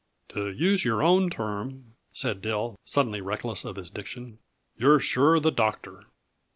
"To use your own term," said Dill, suddenly reckless of his diction, "you're sure the doctor."